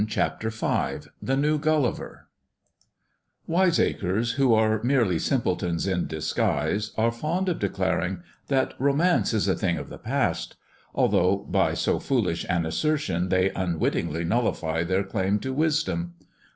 CHAPTER V THE NEW GULLIVKB WISEACRES, who are merely simpletons in disguise, are fond of declaring that romance is a thing of the past ; although by so foolish an assertion they unwittingly nullify their claim to wisdom.